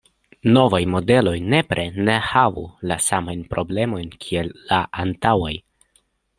Novaj modeloj nepre ne havu la samajn problemojn kiel la antaŭaj.